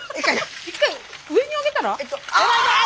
１回上に上げたら？